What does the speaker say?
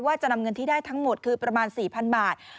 จะนำเงินที่ได้ทั้งหมดคือประมาณ๔๐๐๐บาท